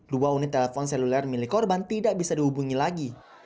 dua unit telepon seluler milik korban tidak bisa dihubungi lagi